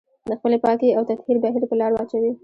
د خپلې پاکي او تطهير بهير په لار واچوي.